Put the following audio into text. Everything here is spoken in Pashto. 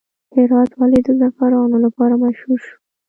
هرات ولې د زعفرانو لپاره مشهور شو؟